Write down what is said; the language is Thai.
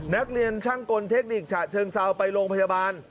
นักเรียนช่างกลเทคนิคฉะเชิงเซาไปโรงพยาบาล